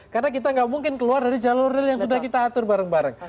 karena kita gak mungkin keluar dari jalur yang sudah kita atur bareng bareng